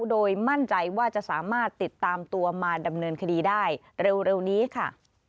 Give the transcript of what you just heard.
โดยมั่นใจว่าจะสามารถติดตามตัวมาดำเนินคดีได้เร็วนี้ค่ะ